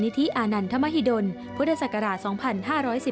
คิดดีพูดดีปฏิบัติดีปฏิบัติชอบ